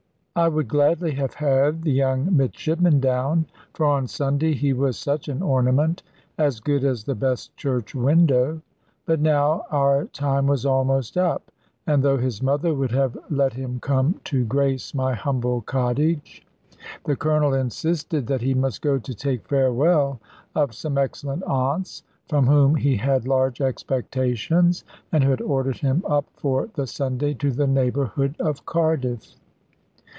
I would gladly have had the young midshipman down for on Sunday he was such an ornament, as good as the best church window! but now our time was almost up; and though his mother would have let him come to grace my humble cottage, the Colonel insisted that he must go to take farewell of some excellent aunts, from whom he had large expectations, and who had ordered him up for the Sunday to the neighbourhood of Cardiff.